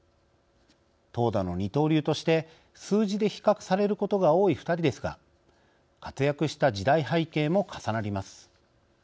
投打の二刀流として数字で比較されることが多い２人ですが活躍した時代背景も重なります。